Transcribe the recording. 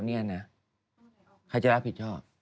ใครจะรักผิดชอบ